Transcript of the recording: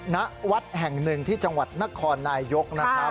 ณวัดแห่งหนึ่งที่จังหวัดนครนายยกนะครับ